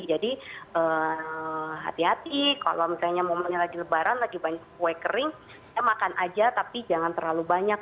jadi hati hati kalau misalnya momennya lagi lebaran lagi banyak kue kering makan aja tapi jangan terlalu banyak